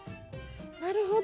なるほど。